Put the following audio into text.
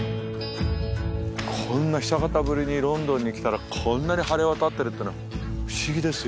こんな久方ぶりにロンドンに来たらこんなに晴れ渡ってるっての不思議ですよ。